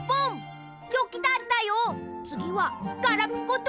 つぎはガラピコと。